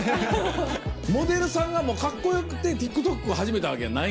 モデルさんがカッコよくてＴｉｋＴｏｋを始めたわけやないんや？